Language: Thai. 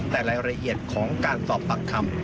แต่รายละเอียดของการสอบปากคำ